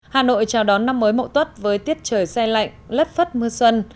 hà nội chào đón năm mới mậu tuất với tiết trời xe lạnh lất phất mưa xuân